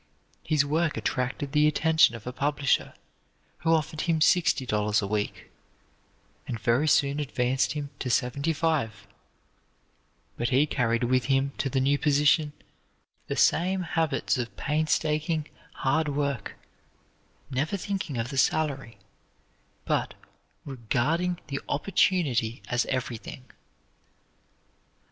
His work attracted the attention of a publisher who offered him sixty dollars a week, and very soon advanced him to seventy five; but he carried with him to the new position the same habits of painstaking, hard work, never thinking of the salary, but regarding the opportunity as everything.